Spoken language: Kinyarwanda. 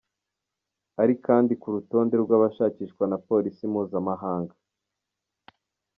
Ari kandi ku rutonde rw’abashakishwa na Polisi Mpuzamahanga.